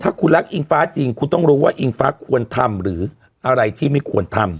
ถ้าคุณรักอิงฟ้าจริงคุณต้องรู้ว่าอิงฟ้าควรทำหรืออะไรที่ไม่ควรทำ